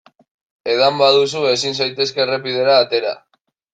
Edan baduzu ezin zaitezke errepidera atera.